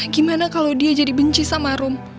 gimana kalo dia jadi benci sama rum